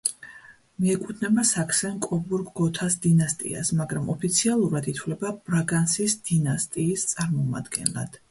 მიეკუთვნება საქსენ-კობურგ-გოთას დინასტიას, მაგრამ ოფიციალურად ითვლება ბრაგანსის დინასტიის წარმომადგენლად.